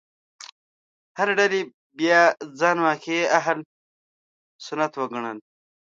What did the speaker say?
هرې ډلې بیا ځان واقعي اهل سنت وګڼل.